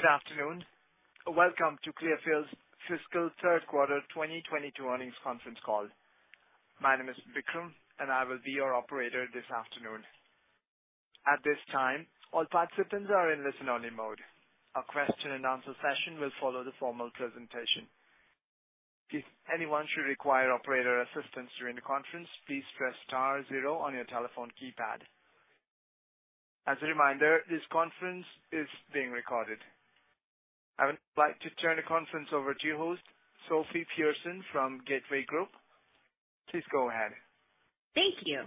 Good afternoon. Welcome to Clearfield's fiscal third quarter 2022 earnings conference call. My name is Vikram, and I will be your operator this afternoon. At this time, all participants are in listen-only mode. A question-and-answer session will follow the formal presentation. If anyone should require operator assistance during the conference, please press star zero on your telephone keypad. As a reminder, this conference is being recorded. I would like to turn the conference over to your host, Sophie Pearson from Gateway Group. Please go ahead. Thank you.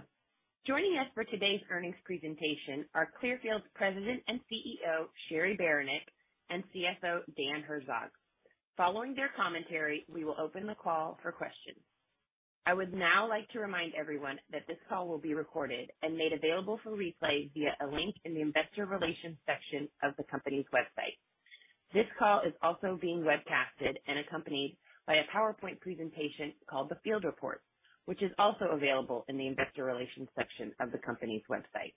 Joining us for today's earnings presentation are Clearfield's President and CEO, Cheri Beranek, and CFO, Dan Herzog. Following their commentary, we will open the call for questions. I would now like to remind everyone that this call will be recorded and made available for replay via a link in the investor relations section of the company's website. This call is also being webcast and accompanied by a PowerPoint presentation called The Field Report, which is also available in the investor relations section of the company's website.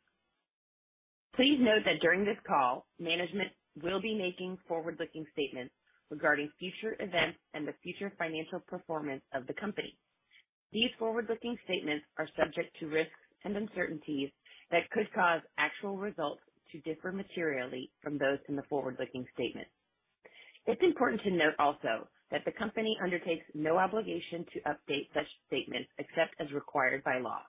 Please note that during this call, management will be making forward-looking statements regarding future events and the future financial performance of the company. These forward-looking statements are subject to risks and uncertainties that could cause actual results to differ materially from those in the forward-looking statement. It's important to note also that the company undertakes no obligation to update such statements except as required by law.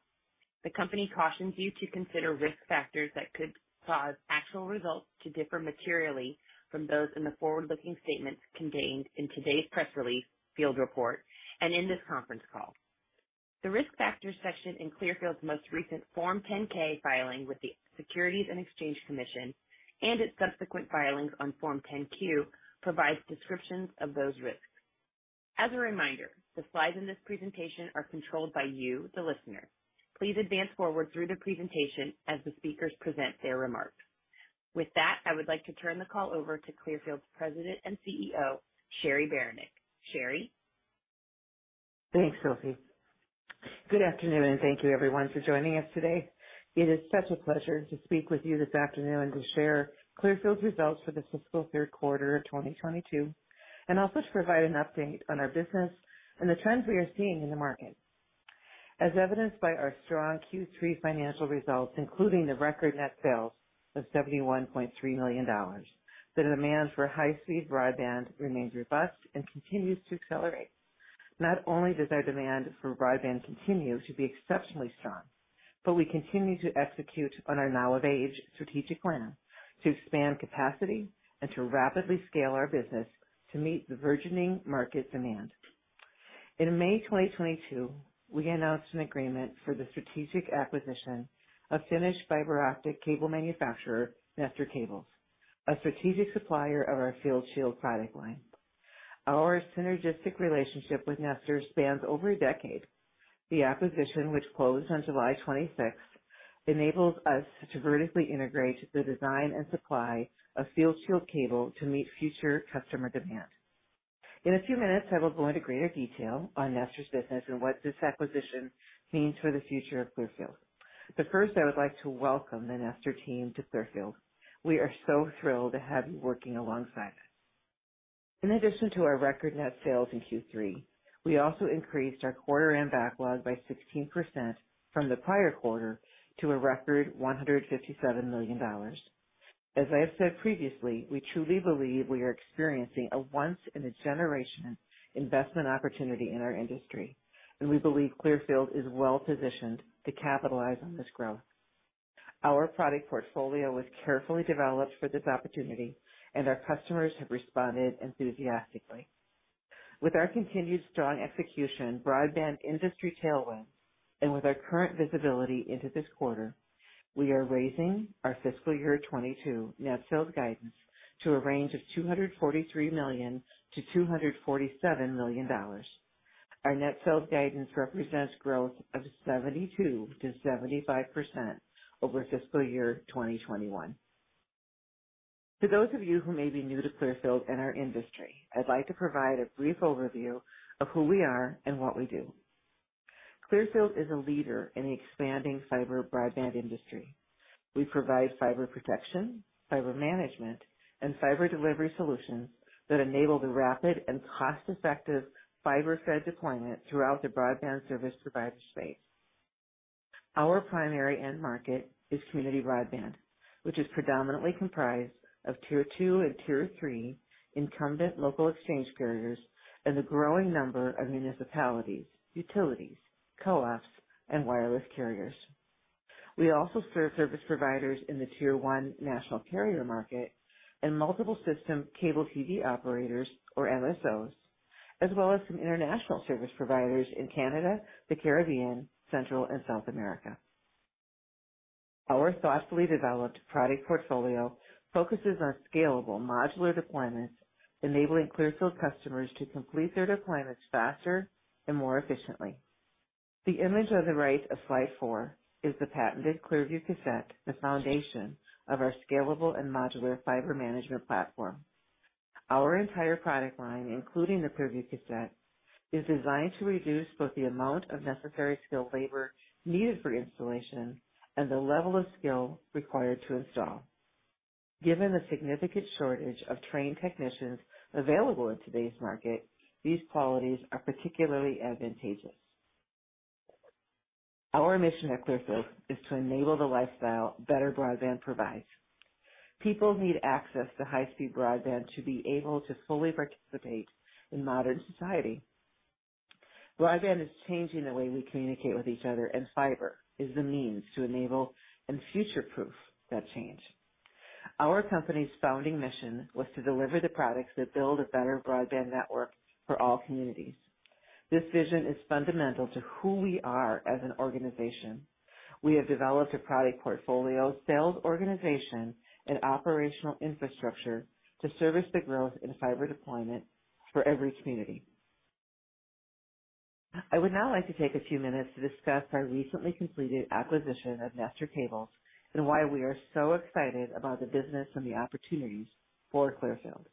The company cautions you to consider risk factors that could cause actual results to differ materially from those in the forward-looking statements contained in today's press release, Field Report, and in this conference call. The Risk Factors section in Clearfield's most recent Form 10-K filing with the Securities and Exchange Commission and its subsequent filings on Form 10-Q provides descriptions of those risks. As a reminder, the slides in this presentation are controlled by you, the listener. Please advance forward through the presentation as the speakers present their remarks. With that, I would like to turn the call over to Clearfield's President and CEO, Cheri Beranek. Cheri? Thanks, Sophie. Good afternoon, and thank you everyone for joining us today. It is such a pleasure to speak with you this afternoon and to share Clearfield's results for the fiscal third quarter of 2022, and also to provide an update on our business and the trends we are seeing in the market. As evidenced by our strong Q3 financial results, including the record net sales of $71.3 million, the demand for high-speed broadband remains robust and continues to accelerate. Not only does our demand for broadband continue to be exceptionally strong, but we continue to execute on our Now of Age strategic plan to expand capacity and to rapidly scale our business to meet the burgeoning market demand. In May 2022, we announced an agreement for the strategic acquisition of Finnish fiber optic cable manufacturer, Nestor Cables, a strategic supplier of our FieldShield product line. Our synergistic relationship with Nestor spans over a decade. The acquisition, which closed on July 26th, enables us to vertically integrate the design and supply of FieldShield cable to meet future customer demand. In a few minutes, I will go into greater detail on Nestor's business and what this acquisition means for the future of Clearfield. First, I would like to welcome the Nestor team to Clearfield. We are so thrilled to have you working alongside us. In addition to our record net sales in Q3, we also increased our quarter end backlog by 16% from the prior quarter to a record $157 million. As I have said previously, we truly believe we are experiencing a once-in-a-generation investment opportunity in our industry, and we believe Clearfield is well positioned to capitalize on this growth. Our product portfolio was carefully developed for this opportunity, and our customers have responded enthusiastically. With our continued strong execution, broadband industry tailwinds, and with our current visibility into this quarter, we are raising our fiscal year 2022 net sales guidance to a range of $243 million-$247 million. Our net sales guidance represents growth of 72%-75% over fiscal year 2021. For those of you who may be new to Clearfield and our industry, I'd like to provide a brief overview of who we are and what we do. Clearfield is a leader in the expanding fiber broadband industry. We provide fiber protection, fiber management, and fiber delivery solutions that enable the rapid and cost-effective fiber-fed deployment throughout the broadband service provider space. Our primary end market is community broadband, which is predominantly comprised of tier two and tier three incumbent local exchange carriers and a growing number of municipalities, utilities, co-ops, and wireless carriers. We also serve service providers in the tier one national carrier market and multiple system cable TV operators, or MSOs, as well as some international service providers in Canada, the Caribbean, Central and South America. Our thoughtfully developed product portfolio focuses on scalable modular deployments, enabling Clearfield customers to complete their deployments faster and more efficiently. The image on the right of slide four is the patented Clearview Cassette, the foundation of our scalable and modular fiber management platform. Our entire product line, including the Clearview Cassette, is designed to reduce both the amount of necessary skilled labor needed for installation and the level of skill required to install. Given the significant shortage of trained technicians available in today's market, these qualities are particularly advantageous. Our mission at Clearfield is to enable the lifestyle better broadband provides. People need access to high-speed broadband to be able to fully participate in modern society. Broadband is changing the way we communicate with each other, and fiber is the means to enable and future-proof that change. Our company's founding mission was to deliver the products that build a better broadband network for all communities. This vision is fundamental to who we are as an organization. We have developed a product portfolio, sales organization, and operational infrastructure to service the growth in fiber deployment for every community. I would now like to take a few minutes to discuss our recently completed acquisition of Nestor Cables and why we are so excited about the business and the opportunities for Clearfield.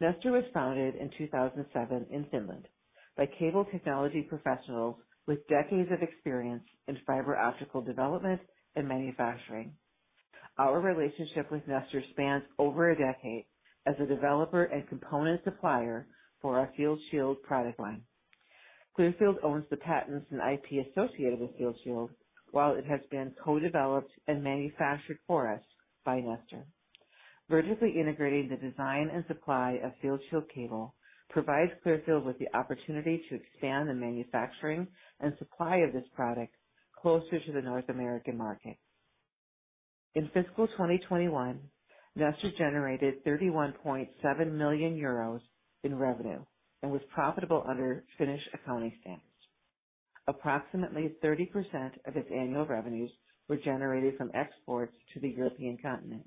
Nestor Cables was founded in 2007 in Finland by cable technology professionals with decades of experience in fiber optic development and manufacturing. Our relationship with Nestor spans over a decade as a developer and component supplier for our FieldShield product line. Clearfield owns the patents and IP associated with FieldShield, while it has been co-developed and manufactured for us by Nestor. Vertically integrating the design and supply of FieldShield cable provides Clearfield with the opportunity to expand the manufacturing and supply of this product closer to the North American market. In fiscal 2021, Nestor generated 31.7 million euros in revenue and was profitable under Finnish accounting standards. Approximately 30% of its annual revenues were generated from exports to the European continent.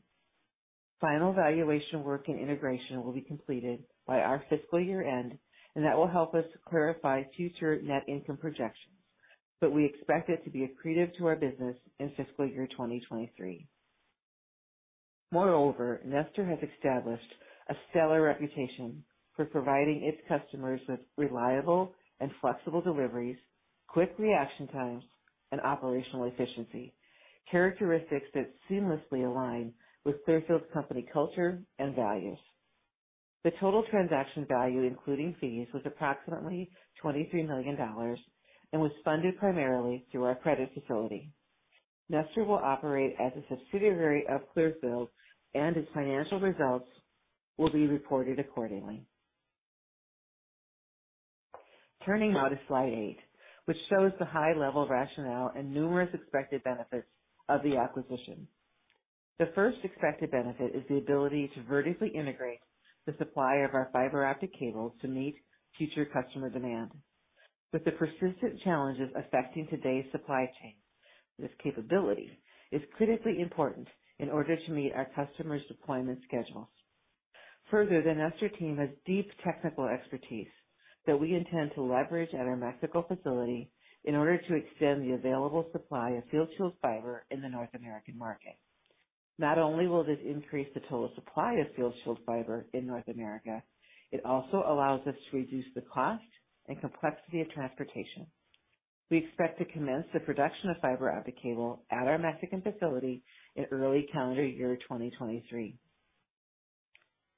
Final valuation work and integration will be completed by our fiscal year-end, and that will help us clarify future net income projections, but we expect it to be accretive to our business in fiscal year 2023. Moreover, Nestor has established a stellar reputation for providing its customers with reliable and flexible deliveries, quick reaction times, and operational efficiency, characteristics that seamlessly align with Clearfield's company culture and values. The total transaction value, including fees, was approximately $23 million and was funded primarily through our credit facility. Nestor will operate as a subsidiary of Clearfield, and its financial results will be reported accordingly. Turning now to slide eight, which shows the high level rationale and numerous expected benefits of the acquisition. The first expected benefit is the ability to vertically integrate the supply of our fiber optic cables to meet future customer demand. With the persistent challenges affecting today's supply chain, this capability is critically important in order to meet our customers' deployment schedules. Further, the Nestor team has deep technical expertise that we intend to leverage at our Mexico facility in order to extend the available supply of FieldShield fiber in the North American market. Not only will this increase the total supply of FieldShield fiber in North America, it also allows us to reduce the cost and complexity of transportation. We expect to commence the production of fiber optic cable at our Mexican facility in early calendar year 2023.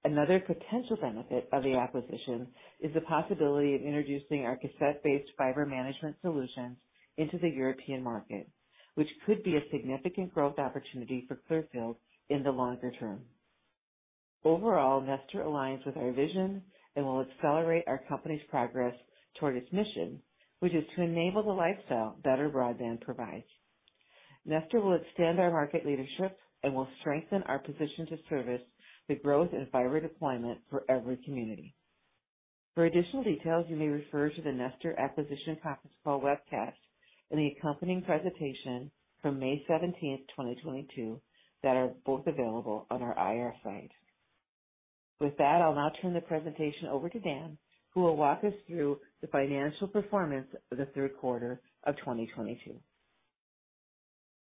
Another potential benefit of the acquisition is the possibility of introducing our cassette-based fiber management solutions into the European market, which could be a significant growth opportunity for Clearfield in the longer term. Overall, Nestor aligns with our vision and will accelerate our company's progress toward its mission, which is to enable the lifestyle better broadband provides. Nestor will extend our market leadership and will strengthen our position to service the growth in fiber deployment for every community. For additional details, you may refer to the Nestor Acquisition conference call webcast and the accompanying presentation from May 17, 2022, that are both available on our IR site. With that, I'll now turn the presentation over to Dan, who will walk us through the financial performance for the third quarter of 2022.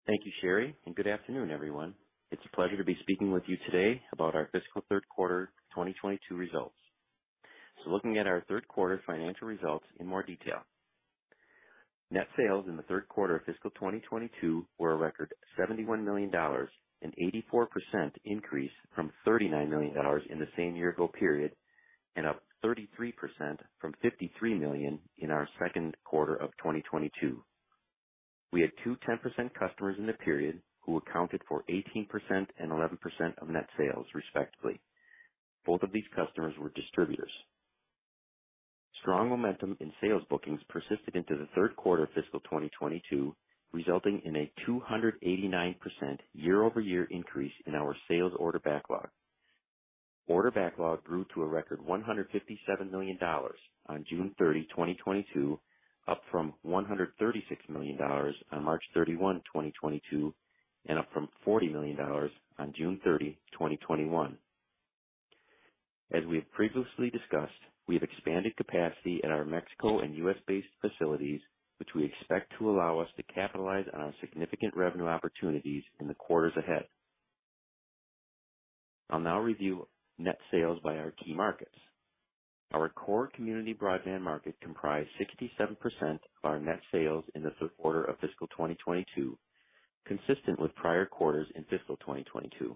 Thank you, Cheri, and good afternoon, everyone. It's a pleasure to be speaking with you today about our fiscal third quarter 2022 results. Looking at our third quarter financial results in more detail. Net sales in the third quarter of fiscal 2022 were a record $71 million, an 84% increase from $39 million in the same year ago period, and up 33% from $53 million in our second quarter of 2022. We had two 10% customers in the period who accounted for 18% and 11% of net sales, respectively. Both of these customers were distributors. Strong momentum in sales bookings persisted into the third quarter of fiscal 2022, resulting in a 289% year-over-year increase in our sales order backlog. Order backlog grew to a record $157 million on June 30, 2022, up from $136 million on March 31, 2022, and up from $40 million on June 30, 2021. As we have previously discussed, we have expanded capacity at our Mexico and U.S.-based facilities, which we expect to allow us to capitalize on our significant revenue opportunities in the quarters ahead. I'll now review net sales by our key markets. Our core community broadband market comprised 67% of our net sales in the third quarter of fiscal 2022, consistent with prior quarters in fiscal 2022.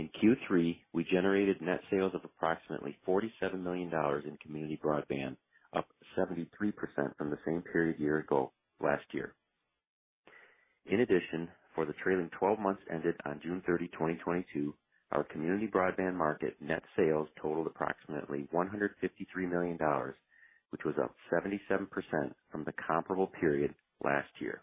In Q3, we generated net sales of approximately $47 million in community broadband, up 73% from the same period year ago last year. In addition, for the trailing twelve months ended on June 30, 2022, our community broadband market net sales totaled approximately $153 million, which was up 77% from the comparable period last year.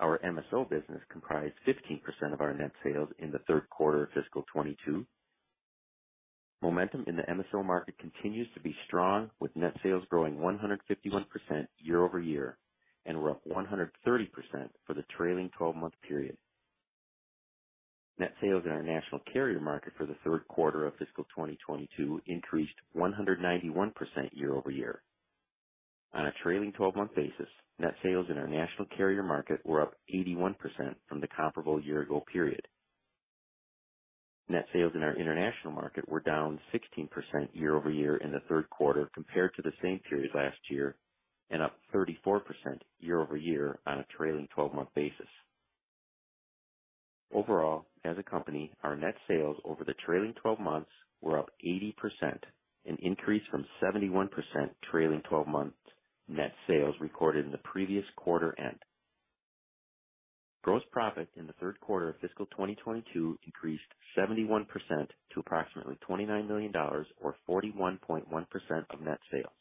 Our MSO business comprised 15% of our net sales in the third quarter of fiscal 2022. Momentum in the MSO market continues to be strong, with net sales growing 151% year-over-year and were up 130% for the trailing twelve-month period. Net sales in our national carrier market for the third quarter of fiscal 2022 increased 191% year-over-year. On a trailing twelve-month basis, net sales in our national carrier market were up 81% from the comparable year ago period. Net sales in our international market were down 16% year-over-year in the third quarter compared to the same period last year, and up 34% year-over-year on a trailing twelve-month basis. Overall, as a company, our net sales over the trailing twelve months were up 80%, an increase from 71% trailing 12 month net sales recorded in the previous quarter end. Gross profit in the third quarter of fiscal 2022 increased 71% to approximately $29 million, or 41.1% of net sales,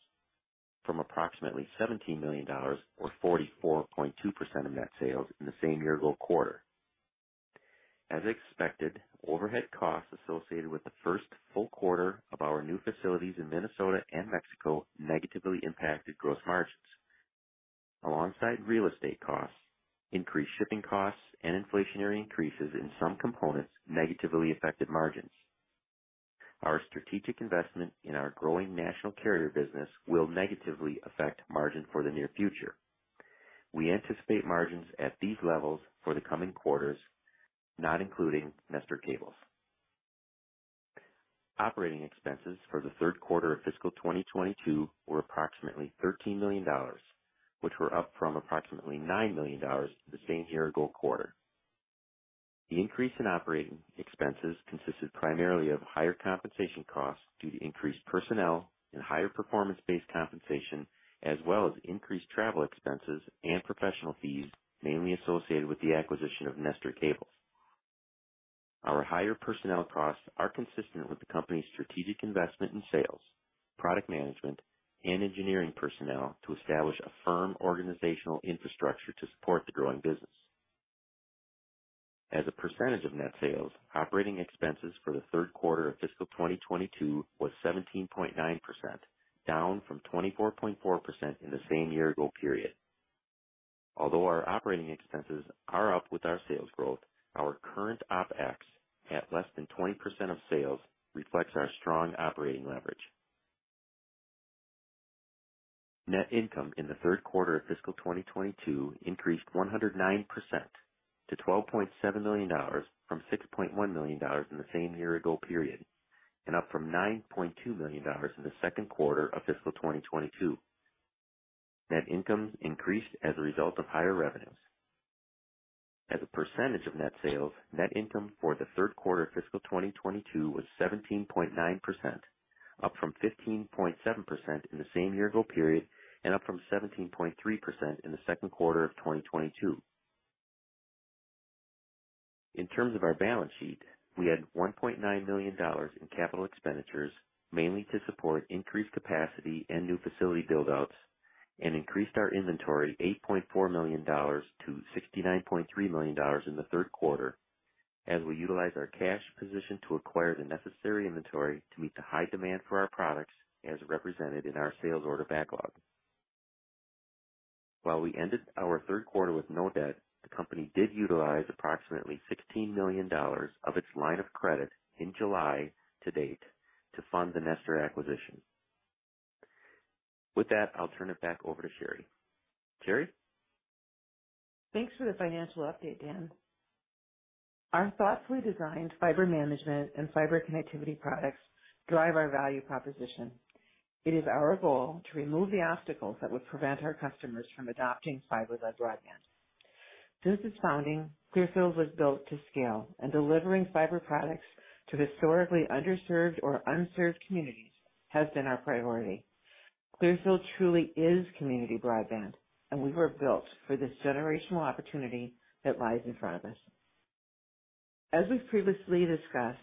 from approximately $17 million or 44.2% of net sales in the same year ago quarter. As expected, overhead costs associated with the first full quarter of our new facilities in Minnesota and Mexico negatively impacted gross margins. Alongside real estate costs, increased shipping costs and inflationary increases in some components negatively affected margins. Our strategic investment in our growing national carrier business will negatively affect margin for the near future. We anticipate margins at these levels for the coming quarters, not including Nestor Cables. Operating expenses for the third quarter of fiscal 2022 were approximately $13 million, which were up from approximately $9 million the same quarter year ago. The increase in operating expenses consisted primarily of higher compensation costs due to increased personnel and higher performance-based compensation, as well as increased travel expenses and professional fees, mainly associated with the acquisition of Nestor Cables. Our higher personnel costs are consistent with the company's strategic investment in sales, product management, and engineering personnel to establish a firm organizational infrastructure to support the growing business. As a percentage of net sales, operating expenses for the third quarter of fiscal 2022 were 17.9%, down from 24.4% in the same year-ago period. Although our operating expenses are up with our sales growth, our current OpEx at less than 20% of sales reflects our strong operating leverage. Net income in the third quarter of fiscal 2022 increased 109% to $12.7 million from $6.1 million in the same year-ago period, and up from $9.2 million in the second quarter of fiscal 2022. Net income increased as a result of higher revenues. As a percentage of net sales, net income for the third quarter of fiscal 2022 was 17.9%, up from 15.7% in the same year ago period and up from 17.3% in the second quarter of 2022. In terms of our balance sheet, we had $1.9 million in capital expenditures, mainly to support increased capacity and new facility buildouts, and increased our inventory $8.4 million-$69.3 million in the third quarter as we utilized our cash position to acquire the necessary inventory to meet the high demand for our products as represented in our sales order backlog. While we ended our third quarter with no debt, the company did utilize approximately $16 million of its line of credit in July to date to fund the Nestor acquisition. With that, I'll turn it back over to Cheri. Cheri? Thanks for the financial update, Dan. Our thoughtfully designed fiber management and fiber connectivity products drive our value proposition. It is our goal to remove the obstacles that would prevent our customers from adopting fiber to the home. Since its founding, Clearfield was built to scale, and delivering fiber products to historically underserved or unserved communities has been our priority. Clearfield truly is community broadband, and we were built for this generational opportunity that lies in front of us. As we've previously discussed,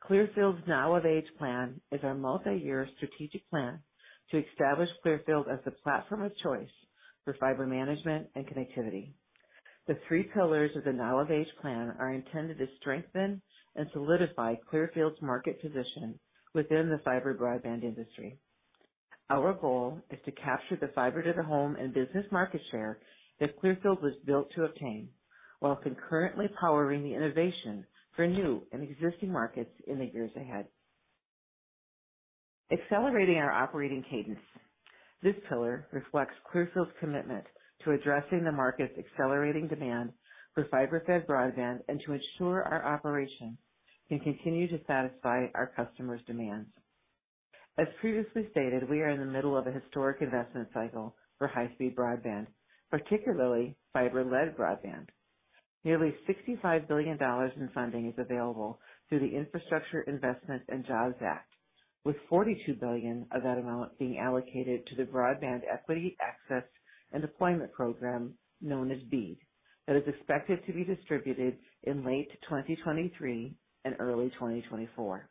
Clearfield's Now of Age plan is our multi-year strategic plan to establish Clearfield as the platform of choice for fiber management and connectivity. The three pillars of the Now of Age plan are intended to strengthen and solidify Clearfield's market position within the fiber broadband industry. Our goal is to capture the Fiber to the Home and business market share that Clearfield was built to obtain, while concurrently powering the innovation for new and existing markets in the years ahead. Accelerating our operating cadence. This pillar reflects Clearfield's commitment to addressing the market's accelerating demand for fiber-fed broadband and to ensure our operation can continue to satisfy our customers' demands. As previously stated, we are in the middle of a historic investment cycle for high-speed broadband, particularly fiber-led broadband. Nearly $65 billion in funding is available through the Infrastructure Investment and Jobs Act, with $42 billion of that amount being allocated to the Broadband Equity, Access, and Deployment program, known as BEAD, that is expected to be distributed in late 2023 and early 2024.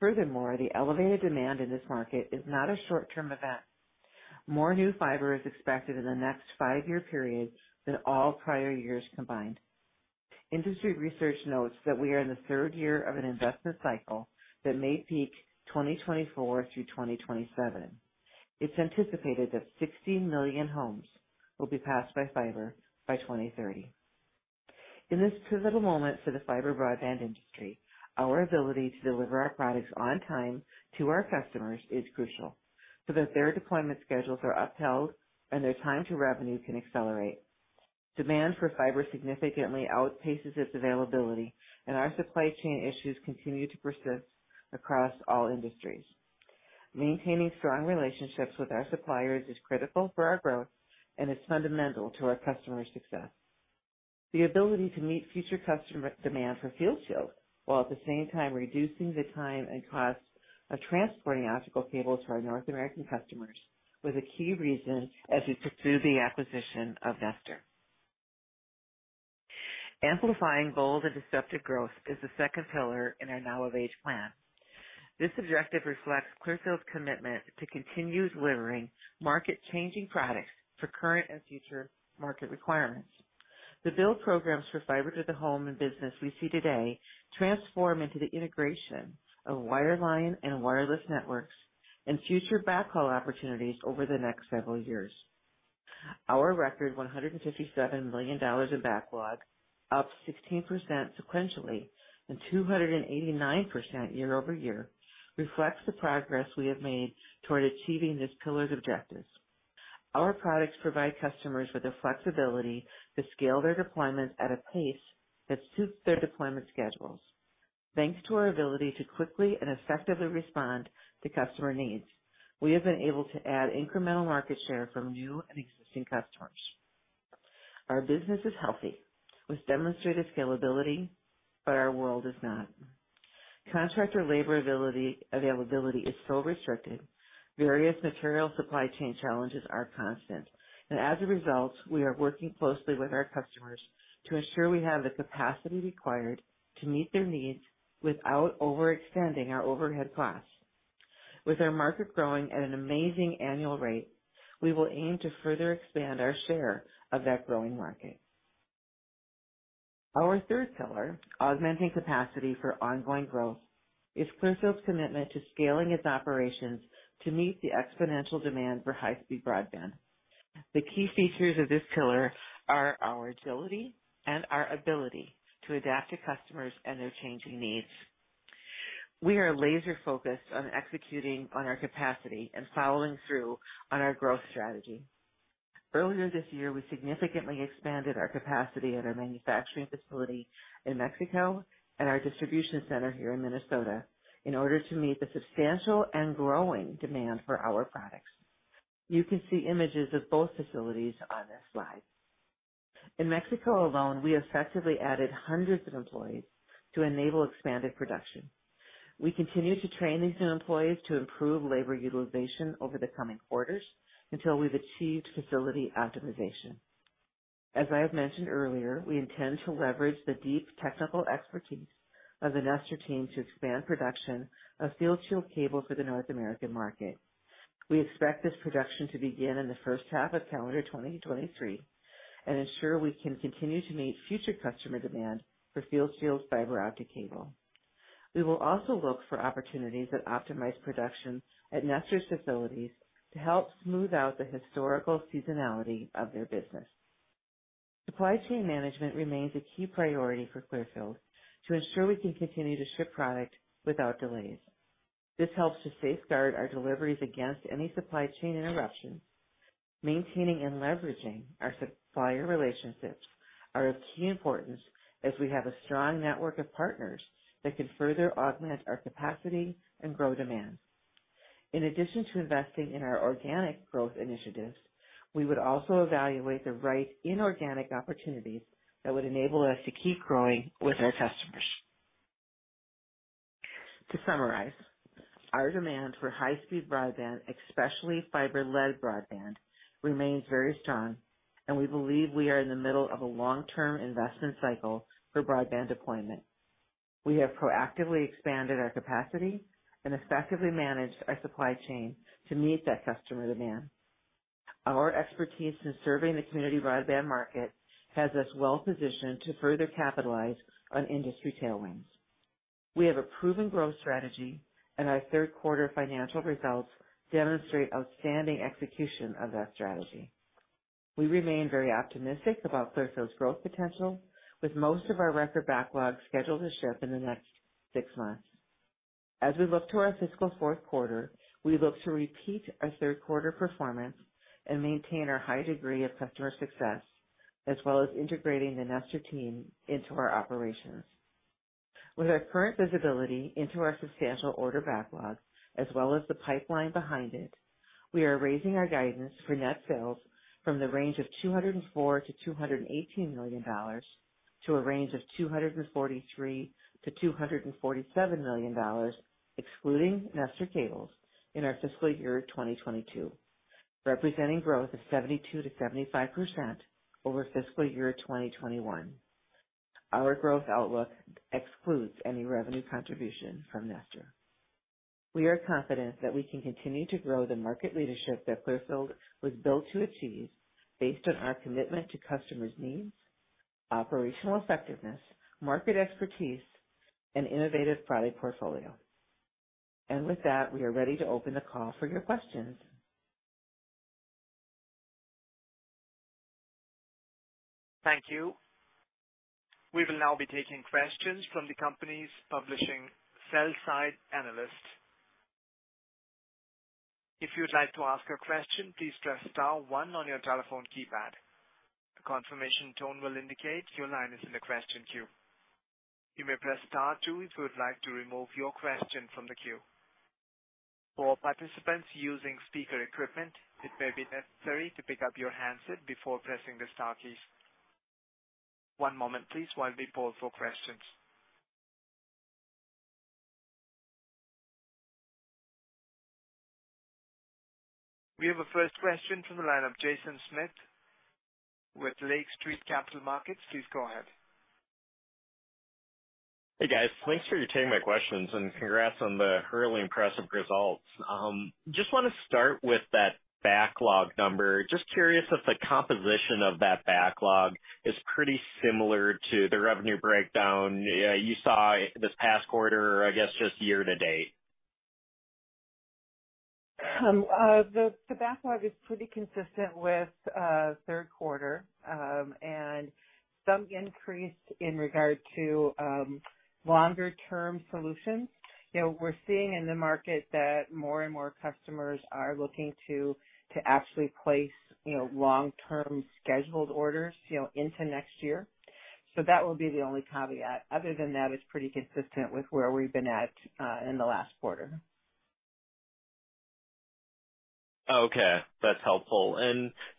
Furthermore, the elevated demand in this market is not a short-term event. More new fiber is expected in the next 5-year period than all prior years combined. Industry research notes that we are in the third year of an investment cycle that may peak 2024 through 2027. It's anticipated that 60 million homes will be passed by fiber by 2030. In this pivotal moment for the fiber broadband industry, our ability to deliver our products on time to our customers is crucial so that their deployment schedules are upheld and their time to revenue can accelerate. Demand for fiber significantly outpaces its availability, and our supply chain issues continue to persist across all industries. Maintaining strong relationships with our suppliers is critical for our growth and is fundamental to our customers' success. The ability to meet future customer demand for FieldShield, while at the same time reducing the time and cost of transporting optical cables to our North American customers, was a key reason as we pursue the acquisition of Nestor. Amplifying bold and disruptive growth is the second pillar in our Now of Age plan. This objective reflects Clearfield's commitment to continue delivering market-changing products for current and future market requirements. The build programs for Fiber to the Home and business we see today transform into the integration of wireline and wireless networks and future backhaul opportunities over the next several years. Our record $157 million in backlog, up 16% sequentially and 289% year-over-year, reflects the progress we have made toward achieving this pillar's objectives. Our products provide customers with the flexibility to scale their deployments at a pace that suits their deployment schedules. Thanks to our ability to quickly and effectively respond to customer needs, we have been able to add incremental market share from new and existing customers. Our business is healthy, with demonstrated scalability, but our world is not. Contractor labor availability is still restricted. Various material supply chain challenges are constant. As a result, we are working closely with our customers to ensure we have the capacity required to meet their needs without overextending our overhead costs. With our market growing at an amazing annual rate, we will aim to further expand our share of that growing market. Our third pillar, augmenting capacity for ongoing growth, is Clearfield's commitment to scaling its operations to meet the exponential demand for high-speed broadband. The key features of this pillar are our agility and our ability to adapt to customers and their changing needs. We are laser-focused on executing on our capacity and following through on our growth strategy. Earlier this year, we significantly expanded our capacity at our manufacturing facility in Mexico and our distribution center here in Minnesota in order to meet the substantial and growing demand for our products. You can see images of both facilities on this slide. In Mexico alone, we effectively added hundreds of employees to enable expanded production. We continue to train these new employees to improve labor utilization over the coming quarters until we've achieved facility optimization. As I have mentioned earlier, we intend to leverage the deep technical expertise of the Nestor team to expand production of FieldShield cable to the North American market. We expect this production to begin in the first half of calendar 2023 and ensure we can continue to meet future customer demand for FieldShield's fiber optic cable. We will also look for opportunities that optimize production at Nestor's facilities to help smooth out the historical seasonality of their business. Supply chain management remains a key priority for Clearfield to ensure we can continue to ship product without delays. This helps to safeguard our deliveries against any supply chain interruptions. Maintaining and leveraging our supplier relationships are of key importance as we have a strong network of partners that can further augment our capacity and grow demand. In addition to investing in our organic growth initiatives, we would also evaluate the right inorganic opportunities that would enable us to keep growing with our customers. To summarize, our demand for high-speed broadband, especially fiber-led broadband, remains very strong, and we believe we are in the middle of a long-term investment cycle for broadband deployment. We have proactively expanded our capacity and effectively managed our supply chain to meet that customer demand. Our expertise in serving the community broadband market has us well positioned to further capitalize on industry tailwinds. We have a proven growth strategy, and our third quarter financial results demonstrate outstanding execution of that strategy. We remain very optimistic about Clearfield's growth potential, with most of our record backlogs scheduled to ship in the next six months. As we look to our fiscal fourth quarter, we look to repeat our third quarter performance and maintain our high degree of customer success, as well as integrating the Nestor team into our operations. With our current visibility into our substantial order backlog, as well as the pipeline behind it, we are raising our guidance for net sales from the range of $204 million-$218 million to a range of $243 million-$247 million, excluding Nestor Cables, in our fiscal year 2022, representing growth of 72%-75% over fiscal year 2021. Our growth outlook excludes any revenue contribution from Nestor. We are confident that we can continue to grow the market leadership that Clearfield was built to achieve based on our commitment to customers' needs, operational effectiveness, market expertise, and innovative product portfolio. With that, we are ready to open the call for your questions. Thank you. We will now be taking questions from the company's participating sell-side analysts. If you would like to ask a question, please press star one on your telephone keypad. A confirmation tone will indicate your line is in the question queue. You may press star two if you would like to remove your question from the queue. For participants using speaker equipment, it may be necessary to pick up your handset before pressing the star keys. One moment please while we poll for questions. We have a first question from the line of Jaeson Schmidt with Lake Street Capital Markets. Please go ahead. Hey, guys. Thanks for taking my questions and congrats on the really impressive results. Just wanna start with that backlog number. Just curious if the composition of that backlog is pretty similar to the revenue breakdown you saw this past quarter, I guess just year to date. The backlog is pretty consistent with third quarter and some increase in regard to longer term solutions. You know, we're seeing in the market that more and more customers are looking to actually place long term scheduled orders into next year. So that will be the only caveat. Other than that, it's pretty consistent with where we've been at in the last quarter. Okay, that's helpful.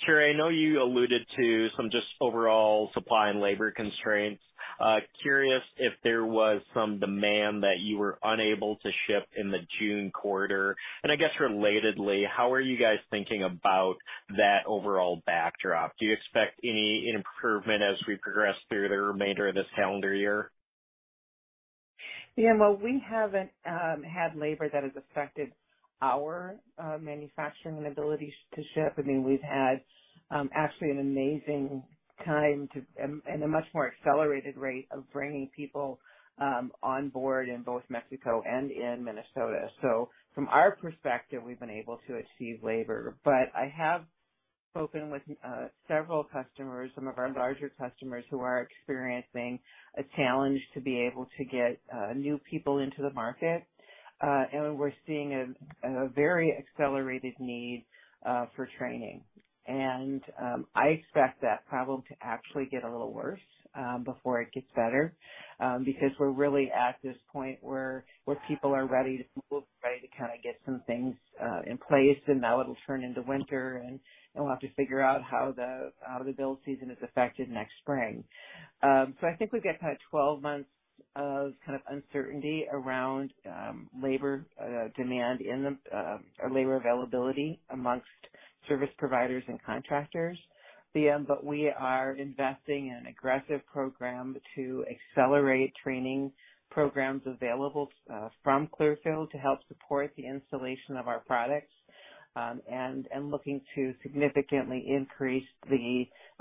Cheri, I know you alluded to some just overall supply and labor constraints. Curious if there was some demand that you were unable to ship in the June quarter. I guess relatedly, how are you guys thinking about that overall backdrop? Do you expect any improvement as we progress through the remainder of this calendar year? Yeah. Well, we haven't had labor that has affected our manufacturing and ability to ship. I mean, we've had actually an amazing time and a much more accelerated rate of bringing people on board in both Mexico and in Minnesota. From our perspective, we've been able to achieve labor. I have spoken with several customers, some of our larger customers, who are experiencing a challenge to be able to get new people into the market. We're seeing a very accelerated need for training. I expect that problem to actually get a little worse before it gets better because we're really at this point where people are ready to kinda get some things in place, and now it'll turn into winter and we'll have to figure out how the build season is affected next spring. I think we've got kind of 12 months of kind of uncertainty around labor availability amongst service providers and contractors. We are investing in an aggressive program to accelerate training programs available from Clearfield to help support the installation of our products and looking to significantly increase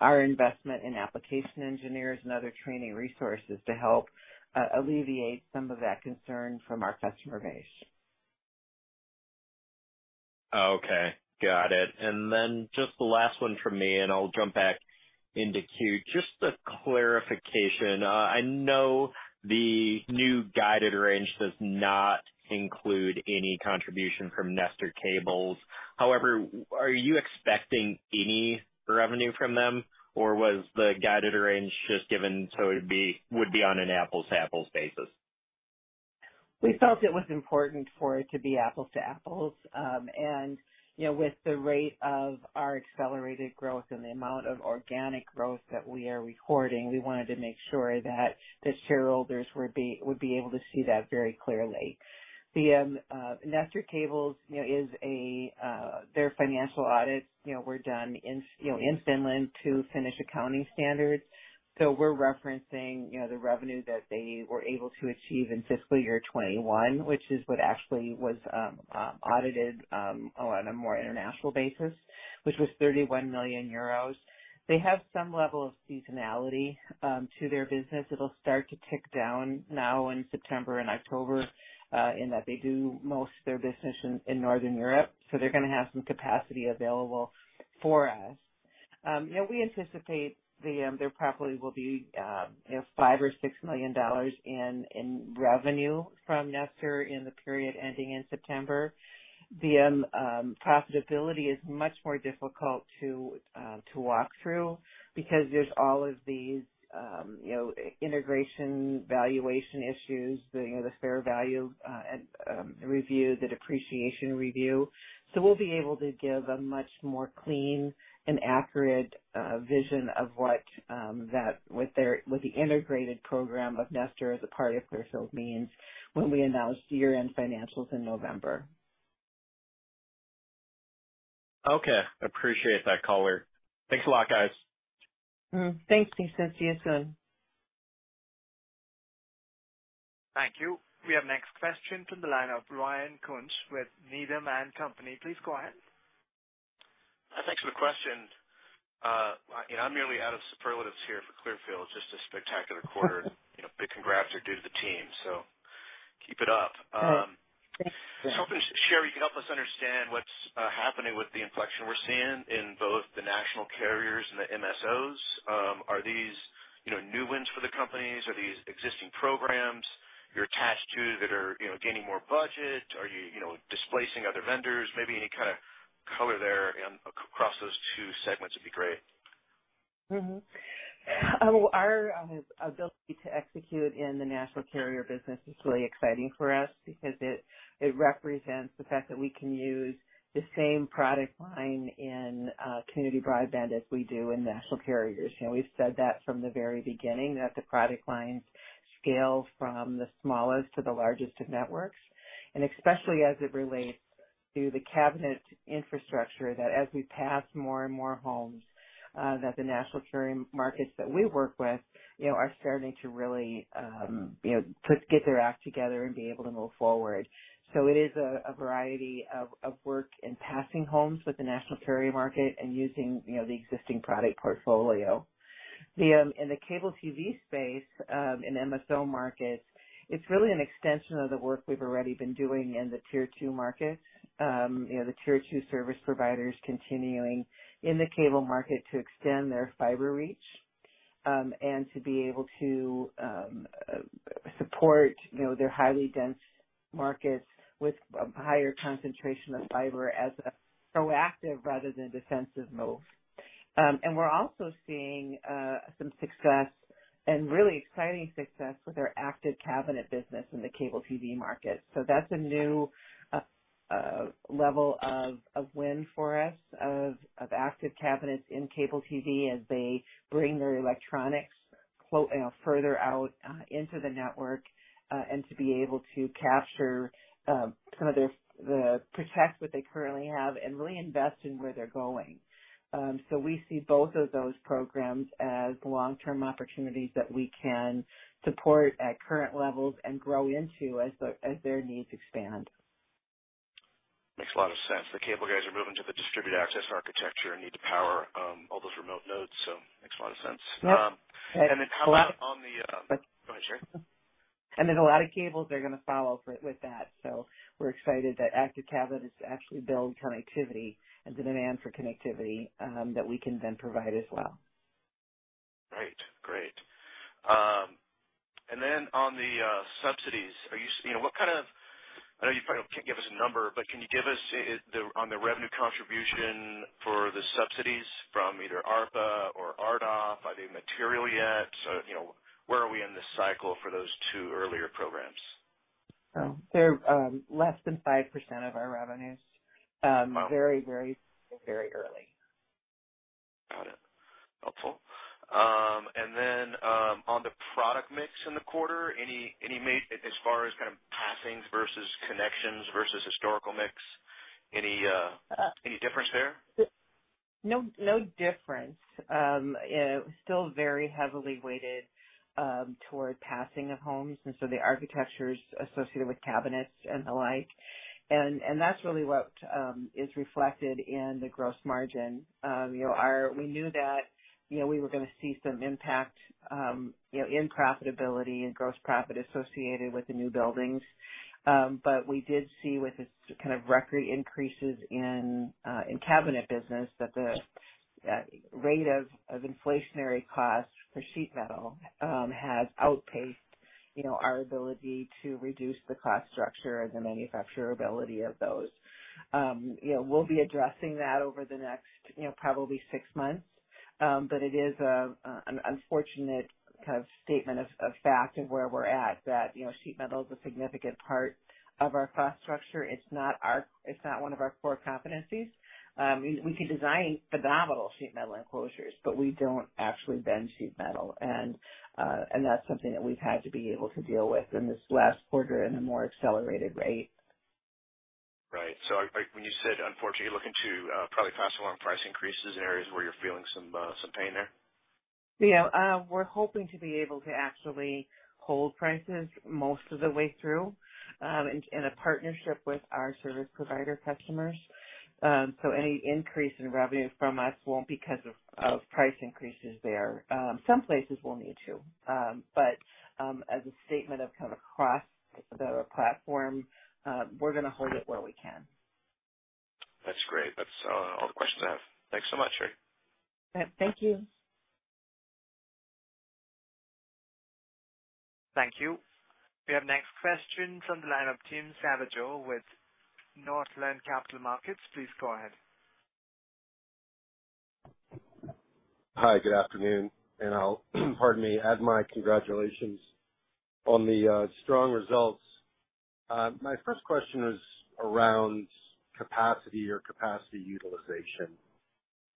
our investment in application engineers and other training resources to help alleviate some of that concern from our customer base. Okay, got it. Just the last one from me, and I'll jump back into queue. Just a clarification. I know the new guidance range does not include any contribution from Nestor Cables. However, are you expecting any revenue from them, or was the guidance range just given so it would be on an apples-to-apples basis? We felt it was important for it to be apples to apples. You know, with the rate of our accelerated growth and the amount of organic growth that we are recording, we wanted to make sure that the shareholders would be able to see that very clearly. Nestor Cables, you know, their financial audits were done in, you know, in Finland to Finnish accounting standards. We're referencing, you know, the revenue that they were able to achieve in fiscal year 2021, which is what actually was audited on a more international basis, which was 31 million euros. They have some level of seasonality to their business. It'll start to tick down now in September and October, in that they do most their business in Northern Europe, so they're gonna have some capacity available for us. You know, we anticipate there probably will be you know, $5 million or $6 million in revenue from Nestor in the period ending in September. Profitability is much more difficult to walk through because there's all of these you know, integration valuation issues, the you know, the fair value review, the depreciation review. We'll be able to give a much more clean and accurate vision of what the integrated program of Nestor as a part of Clearfield means when we announce year-end financials in November. Okay. Appreciate that color. Thanks a lot, guys. Thanks, Jaeson. See you soon. Thank you. We have next question from the line of Ryan Koontz with Needham & Company. Please go ahead. Thanks for the question. You know, I'm nearly out of superlatives here for Clearfield. Just a spectacular quarter. You know, big congrats are due to the team, so keep it up. I was hoping, Cheri, you could help us understand what's happening with the inflection we're seeing in both the national carriers and the MSOs. Are these, you know, new wins for the companies? Are these existing programs you're attached to that are, you know, gaining more budget? Are you know, displacing other vendors? Maybe any kinda color there, across those two segments would be great. Our ability to execute in the national carrier business is really exciting for us because it represents the fact that we can use the same product line in community broadband as we do in national carriers. You know, we've said that from the very beginning, that the product lines scale from the smallest to the largest of networks, and especially as it relates to the cabinet infrastructure, that as we pass more and more homes, that the national carrier markets that we work with, you know, are starting to really, you know, get their act together and be able to move forward. It is a variety of work in passing homes with the national carrier market and using, you know, the existing product portfolio. In the cable TV space, in MSO markets, it's really an extension of the work we've already been doing in the tier two markets. You know, the tier two service providers continuing in the cable market to extend their fiber reach, and to be able to support, you know, their highly dense markets with higher concentration of fiber as a proactive rather than defensive move. We're also seeing some success and really exciting success with our active cabinet business in the cable TV market. That's a new level of win for us of active cabinets in cable TV as they bring their electronics you know, further out into the network and to be able to capture some of their to protect what they currently have and really invest in where they're going. We see both of those programs as long-term opportunities that we can support at current levels and grow into as their needs expand. Makes a lot of sense. The cable guys are moving to the Distributed Access Architecture and need to power all those remote nodes, so makes a lot of sense. Yep. Go ahead, Cheri. A lot of cables are gonna follow with that, so we're excited that active cabinet is actually building connectivity and the demand for connectivity that we can then provide as well. Right. Great. Then on the subsidies, I know you probably can't give us a number, but can you give us the, on the revenue contribution for the subsidies from either ARPA or RDOF? Are they material yet? You know, where are we in this cycle for those two earlier programs? They're less than 5% of our revenues. Wow. Very early. Got it. Helpful. On the product mix in the quarter, as far as kind of passings versus connections versus historical mix, any difference there? No, difference. Yeah, still very heavily weighted toward passing of homes, and so the architectures associated with cabinets and the like. That's really what is reflected in the gross margin. You know, we knew that we were gonna see some impact, you know, in profitability and gross profit associated with the new buildings. We did see with this kind of record increases in cabinet business, that the rate of inflationary costs for sheet metal has outpaced our ability to reduce the cost structure and the manufacturability of those. You know, we'll be addressing that over the next, you know, probably six months. It is an unfortunate kind of statement of fact of where we're at that, you know, sheet metal is a significant part of our cost structure. It's not one of our core competencies. We can design phenomenal sheet metal enclosures, but we don't actually bend sheet metal. That's something that we've had to be able to deal with in this last quarter in a more accelerated rate. Right. Like when you said unfortunately, you're looking to probably pass along price increases in areas where you're feeling some pain. Yeah, we're hoping to be able to actually hold prices most of the way through, in a partnership with our service provider customers. So any increase in revenue from us won't be 'cause of price increases there. Some places we'll need to. As a statement of kind of across the platform, we're gonna hold it where we can. That's great. That's all the questions I have. Thanks so much, Cheri. Thank you. Thank you. We have next question from the line of Tim Savageaux with Northland Capital Markets. Please go ahead. Hi, good afternoon, and I'll pardon me, add my congratulations on the strong results. My first question is around capacity or capacity utilization.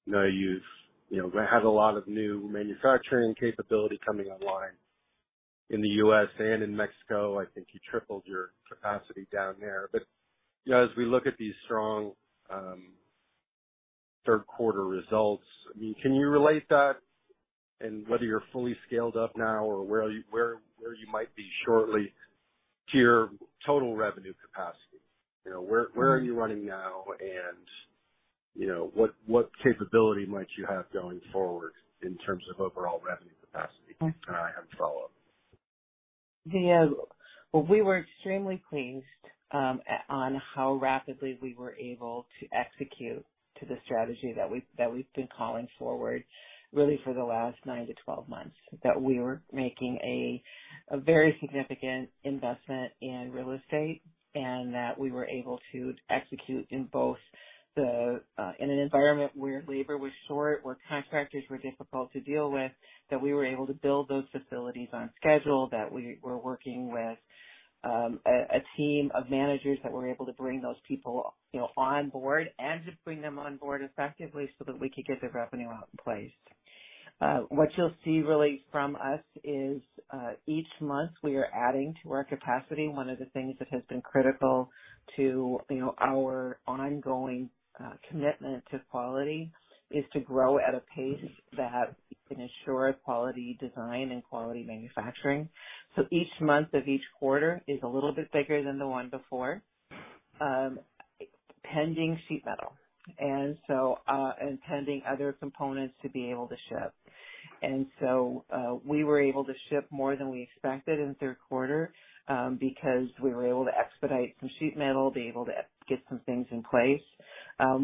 I know you've, you know, have a lot of new manufacturing capability coming online in the U.S. and in Mexico. I think you tripled your capacity down there. But, you know, as we look at these strong third quarter results, I mean, can you relate that and whether you're fully scaled up now or where are you, where you might be shortly to your total revenue capacity? You know, where are you running now? And, you know, what capability might you have going forward in terms of overall revenue capacity? And I have a follow-up. Yeah. Well, we were extremely pleased on how rapidly we were able to execute to the strategy that we've been calling forward really for the last 9-12 months, that we were making a very significant investment in real estate, and that we were able to execute in an environment where labor was short, where contractors were difficult to deal with, that we were able to build those facilities on schedule, that we were working with a team of managers that were able to bring those people you know on board and to bring them on board effectively so that we could get the revenue out in place. What you'll see really from us is each month we are adding to our capacity. One of the things that has been critical to, you know, our ongoing commitment to quality is to grow at a pace that can assure quality design and quality manufacturing. Each month of each quarter is a little bit bigger than the one before, pending sheet metal and pending other components to be able to ship. We were able to ship more than we expected in the third quarter because we were able to expedite some sheet metal, be able to get some things in place.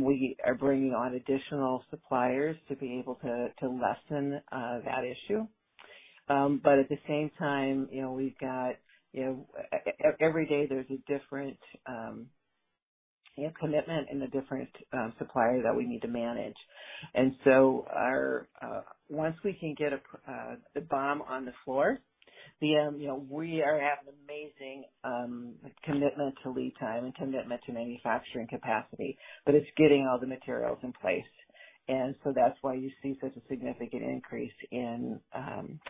We are bringing on additional suppliers to be able to lessen that issue. At the same time, you know, we've got, you know, every day there's a different commitment and a different supplier that we need to manage. Once we can get the BOM on the floor, you know, we are at an amazing commitment to lead time and commitment to manufacturing capacity, but it's getting all the materials in place. That's why you see such a significant increase in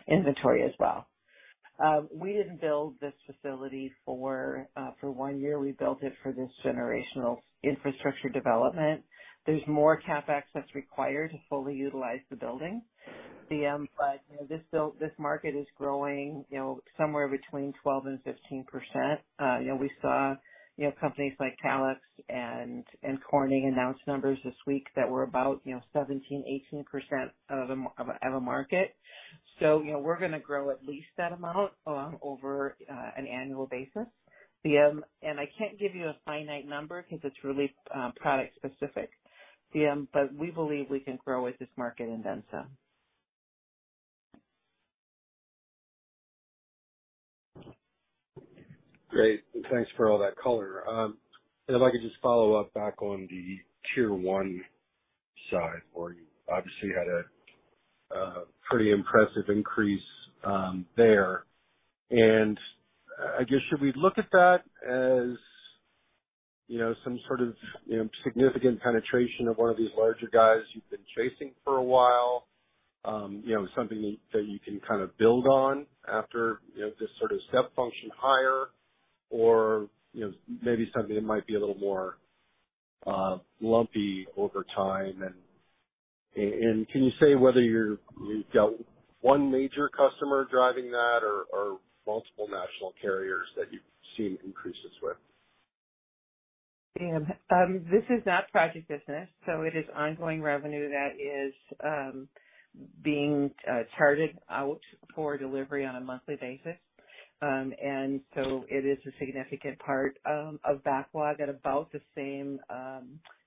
inventory as well. We didn't build this facility for one year. We built it for this generational infrastructure development. There's more CapEx that's required to fully utilize the building. But, you know, this build, this market is growing, you know, somewhere between 12%-15%. You know, we saw, you know, companies like Calix and Corning announce numbers this week that were about, you know, 17%-18% of a market. You know, we're gonna grow at least that amount over an annual basis. I can't give you a finite number 'cause it's really product specific. We believe we can grow with this market and then some. Great. Thanks for all that color. If I could just follow up back on the Tier 1 side, where you obviously had a pretty impressive increase there. I guess should we look at that as, you know, some sort of, you know, significant penetration of one of these larger guys you've been chasing for a while? You know, something that you can kind of build on after, you know, this sort of step function higher? Or, you know, maybe something that might be a little more lumpy over time? Can you say whether you're, you've got one major customer driving that or multiple national carriers that you've seen increases with? This is not project business, so it is ongoing revenue that is being charted out for delivery on a monthly basis. It is a significant part of backlog at about the same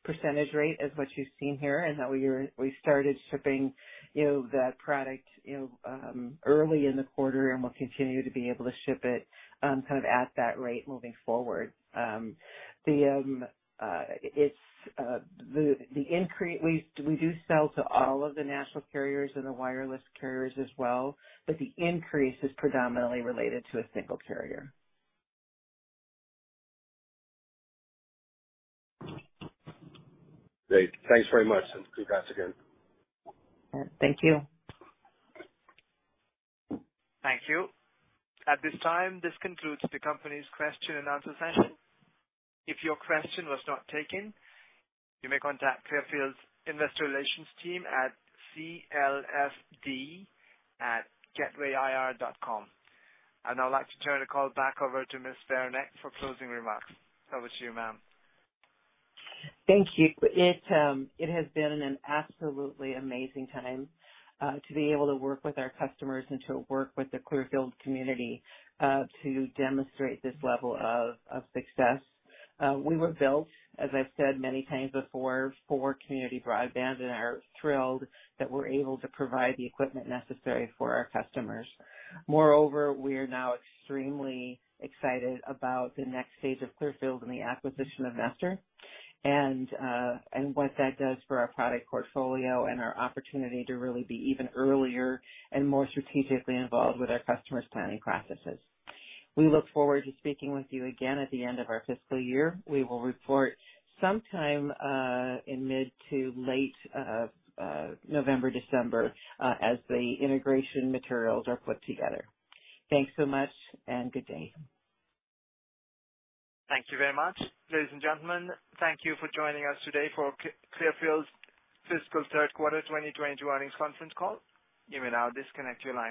percentage rate as what you've seen here. That we started shipping, you know, that product, you know, early in the quarter and will continue to be able to ship it kind of at that rate moving forward. It's the increase. We do sell to all of the national carriers and the wireless carriers as well, but the increase is predominantly related to a single carrier. Great. Thanks very much, and congrats again. Thank you. Thank you. At this time, this concludes the company's question and answer session. If your question was not taken, you may contact Clearfield's Investor Relations team at clfd@gatewayir.com. I'd now like to turn the call back over to Ms. Beranek for closing remarks. Over to you, ma'am. Thank you. It has been an absolutely amazing time to be able to work with our customers and to work with the Clearfield community to demonstrate this level of success. We were built, as I've said many times before, for community broadband and are thrilled that we're able to provide the equipment necessary for our customers. Moreover, we are now extremely excited about the next stage of Clearfield and the acquisition of Nestor and what that does for our product portfolio and our opportunity to really be even earlier and more strategically involved with our customers' planning processes. We look forward to speaking with you again at the end of our fiscal year. We will report sometime in mid to late November, December, as the integration materials are put together. Thanks so much and good day. Thank you very much. Ladies and gentlemen, thank you for joining us today for Clearfield's fiscal third quarter 2020 earnings conference call. You may now disconnect your lines.